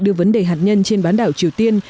đưa vấn đề hạt nhân trên bán đảo triều tiên